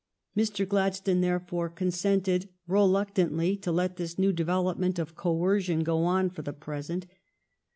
Mr. Gladstone therefore consented reluctantly to let this new development of coercion go on for the present.